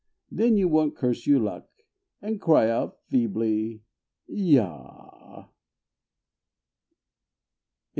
Then you won't curse your luck And cry out feebly "yah"!